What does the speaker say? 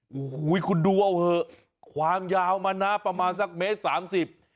โอ้โหคุณดูเอาเถอะความยาวมันนะประมาณสักเมตรสามสิบ